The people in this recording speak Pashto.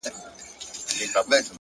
لوړ همت محدودیتونه کوچني کوي!